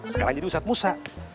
kan sekarang jadi usap musa